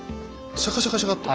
シャカシャカシャカッと。